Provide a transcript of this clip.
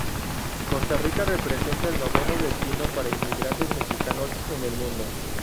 Costa Rica representa el noveno destino para inmigrantes mexicanos en el mundo.